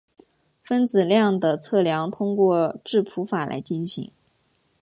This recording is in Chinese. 分子量的测量通过质谱法来进行。